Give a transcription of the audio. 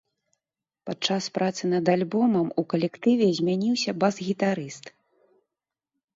Падчас працы над альбомам у калектыве змяніўся бас-гітарыст.